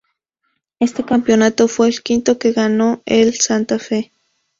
Este campeonato fue el quinto que ganó el Santa Fe.